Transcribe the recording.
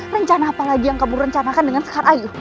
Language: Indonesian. rencana apa lagi yang kamu rencanakan dengan sekar ayu